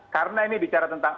karena ini bicara tentang